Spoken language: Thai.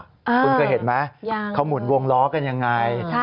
คุณเคยเห็นไหมเขาหมุนวงล้อกันยังไง